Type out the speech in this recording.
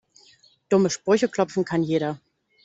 Dumme Sprüche klopfen kann jeder.